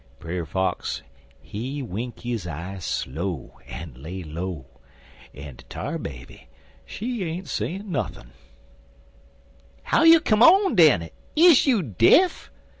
"Brer Fox, he wink his eye slow, en lay low, en de Tar Baby, she ain't sayin' nuthin'. "'How you come on, den? Is you deaf?'